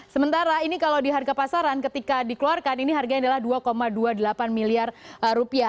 sementara ini kalau di harga pasaran ketika dikeluarkan ini harganya adalah dua dua puluh delapan miliar rupiah